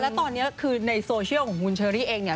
แล้วตอนนี้คือในโซเชียลของคุณเชอรี่เองเนี่ย